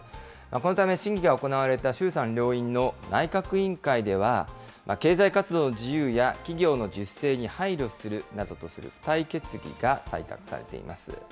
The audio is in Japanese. このため審議が行われた衆参両院の内閣委員会では、経済活動の自由や企業の自主性に配慮するなどとする付帯決議が採択されています。